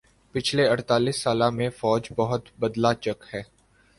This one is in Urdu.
پچھلے اڑتالیس سالہ میں فوج بہت بدلہ چک ہے